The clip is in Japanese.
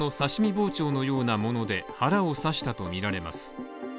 包丁のようなもので腹を刺したとみられます。